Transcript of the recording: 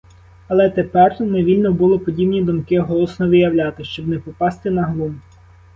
Але тепер не вільно було подібні думки голосно виявляти, щоб не попасти на глум.